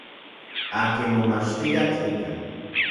Akin momachtijkatl ikan.